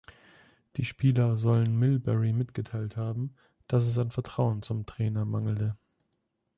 Die Spieler sollen Milbury mitgeteilt haben, dass es an Vertrauen zum Trainer mangele.